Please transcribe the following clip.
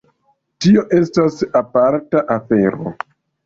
Tio estas aparta afero.